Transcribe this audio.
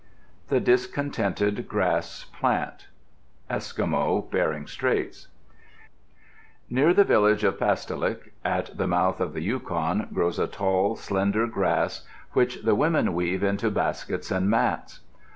THE DISCONTENTED GRASS PLANT Eskimo (Bering Straits) Near the village of Pastolik, at the mouth of the Yukon, grows a tall, slender grass which the women weave into baskets and mats.